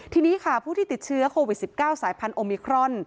ทีนี้ค่ะผู้ที่ติดเชื้อโควิด๑๙สายพันธุมิครอน